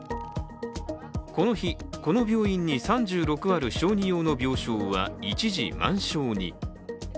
この日、この病院に３６ある小児用の病床は一時満床に。